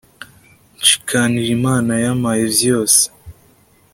nshikanira imana yampaye vyose